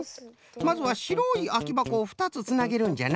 まずはしろいあきばこを２つつなげるんじゃな。